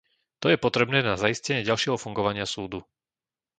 To je potrebné na zaistenie ďalšieho fungovania súdu.